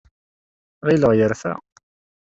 Ɣileɣ yerfa.